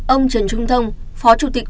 ông trần trung thông phó chủ tịch